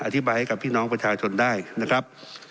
อธิบายให้กับพี่น้องประชาชนได้นะครับ